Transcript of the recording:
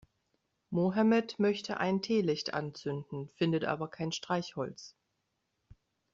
Mohammed möchte ein Teelicht anzünden, findet aber kein Streichholz.